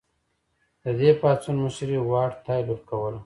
د دې پاڅون مشري واټ تایلور کوله.